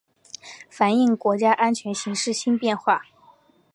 反映国家安全形势新变化